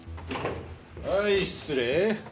はい失礼。